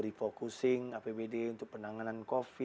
refocusing apbd untuk penanganan